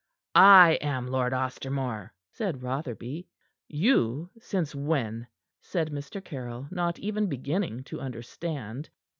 "I am Lord Ostermore," said Rotherby. "You? Since when?" said Mr. Caryll, not even beginning to understand.